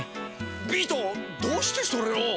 ビートどうしてそれを。